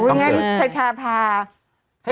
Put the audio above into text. อุ้ยงั้นประชาภาพ